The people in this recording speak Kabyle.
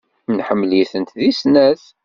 Nḥemmel-itent deg snat.